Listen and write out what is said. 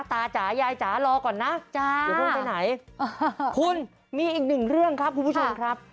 จ๋ายายจ๋ารอก่อนนะจ๊ะอย่าเพิ่งไปไหนคุณมีอีกหนึ่งเรื่องครับคุณผู้ชมครับ